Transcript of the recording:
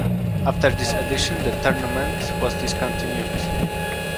After this edition the tournament was discontinued.